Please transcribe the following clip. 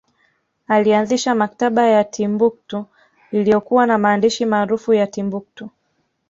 Alianzisha maktaba ya Timbuktu iliyokuwa na maandishi maarufu ya Timbuktu